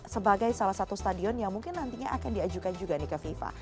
sebagai salah satu stadion yang mungkin nantinya akan diajukan juga nih ke fifa